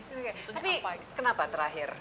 tapi kenapa terakhir